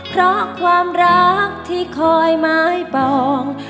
เพราะความรักที่คอยไม้ปอง